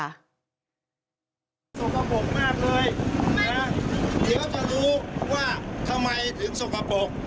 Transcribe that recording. สกปรกมากเลยนะเดี๋ยวจะรู้ว่าทำไมถึงสกปรก